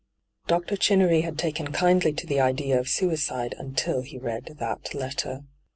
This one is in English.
Dr. Chinnery had taken kindly to the idea of suicide until he read that letter.